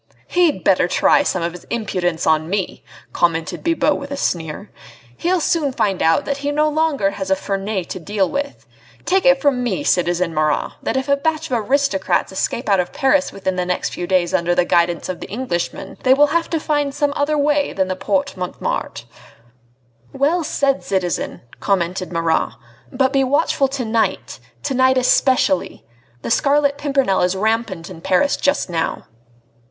"He'd better try some of his impudence on me!" commented Bibot with a sneer, "he'll soon find out that he no longer has a Ferney to deal with. Take it from me, citizen Marat, that if a batch of aristocrats escape out of Paris within the next few days, under the guidance of the d d Englishman, they will have to find some other way than the Porte Montmartre." "Well said, citizen!" commented Marat. "But be watchful to night ... to night especially. The Scarlet Pimpernel is rampant in Paris just now."